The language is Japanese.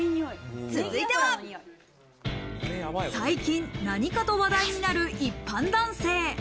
続いては、最近、何かと話題になる一般男性。